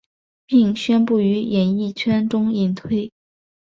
并宣布于演艺圈中隐退。